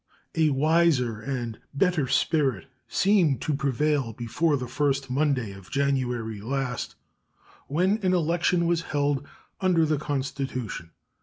A wiser and better spirit seemed to prevail before the first Monday of January last, when an election was held under the constitution.